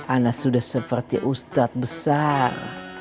anas sudah seperti ustadz besar